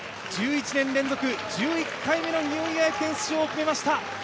１１年連続１１回目のニューイヤー駅伝出場を決めました。